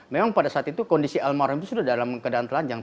memang pada saat itu kondisi almarhum itu sudah dalam keadaan telanjang